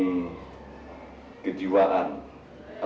dia harus dianggap sebagai seorang yang berbakat